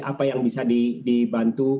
apa yang bisa dibantu